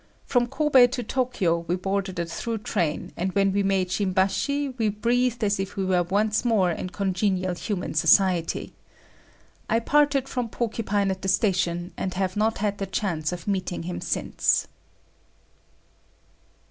From Kobe to Tokyo we boarded a through train and when we made Shimbashi, we breathed as if we were once more in congenial human society. I parted from Porcupine at the station, and have not had the chance of meeting him since.